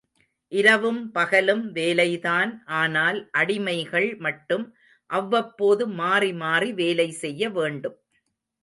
இரவும் பகலும் வேலைதான் ஆனால், அடிமைகள் மட்டும் அவ்வப்போது மாறி மாறி வேலை செய்ய வேண்டும்.